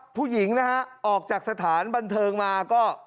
ผู้หญิงนะฮะออกจากสถานบันเทิงมาก็